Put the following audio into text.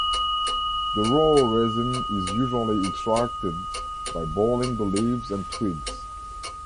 The raw resin is usually extracted by boiling the leaves and twigs.